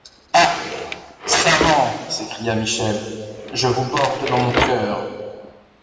Ah! savants ! s’écria Michel, je vous porte dans mon cœur !